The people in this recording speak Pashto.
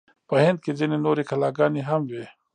په هند کې ځینې نورې کلاګانې هم وې.